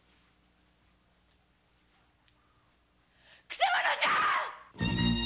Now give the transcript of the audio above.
・くせ者じゃ！